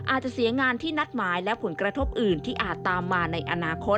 อาจจะเสียงานที่นัดหมายและผลกระทบอื่นที่อาจตามมาในอนาคต